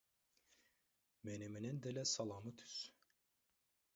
Мени менен деле саламы түз.